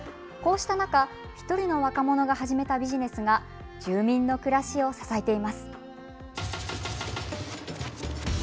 こうした中１人の若者が始めたビジネスが住民の暮らしを支えています。